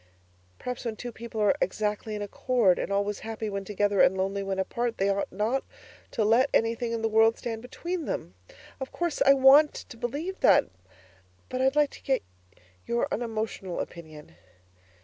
Perhaps when two people are exactly in accord, and always happy when together and lonely when apart, they ought not to let anything in the world stand between them. Of course I WANT to believe that! But I'd like to get your unemotional opinion.